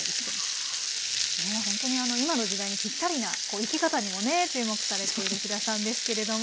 ほんとに今の時代にピッタリな生き方にもね注目されている飛田さんですけれども。